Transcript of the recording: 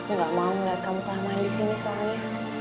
aku gak mau melihat kamu pelan pelan disini soalnya